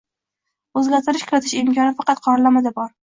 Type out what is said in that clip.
Oʻzgaritirish kiritish imkoni faqat qoralamada bor